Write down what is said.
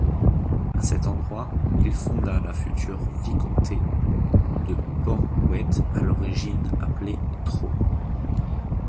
À cet endroit, il fonda la future vicomté de Porhoët, à l'origine appelée Thro.